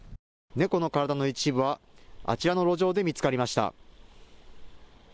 猫の体の一部はあちらの路上で見つかりました。